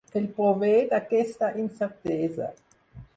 Ell prové d'aquesta incertesa.